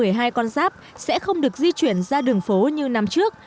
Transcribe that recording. một mươi hai con giáp sẽ không được di chuyển ra đường phố như năm trước